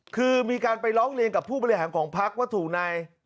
คือมีการไปร้องเรียนกับผู้บริหารของพักว่าถูกใน